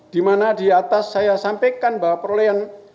dimana di atas saya sampaikan bahwa perolehan